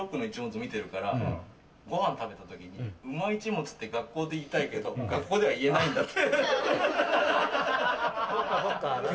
見てるからご飯食べた時にうまイチモツって学校で言いたいけど学校では言えないんだって。